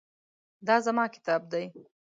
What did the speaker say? دا زما کتاب دی